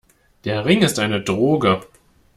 Der Ring ist eine Droge.